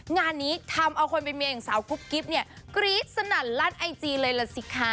งานนี้ทำเอาคนเป็นเมียอย่างสาวกุ๊บกิ๊บเนี่ยกรี๊ดสนั่นลั่นไอจีเลยล่ะสิคะ